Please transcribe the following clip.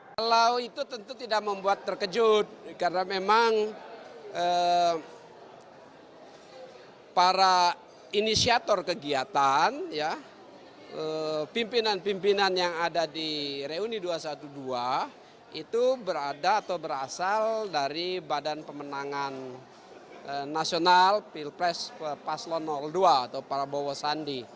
kalau itu tentu tidak membuat terkejut karena memang para inisiator kegiatan pimpinan pimpinan yang ada di reuni dua ratus dua belas itu berada atau berasal dari badan pemenangan nasional pilpres paslon dua atau para bowo sandi